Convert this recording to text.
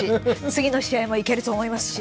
次の試合もいけると思いますし。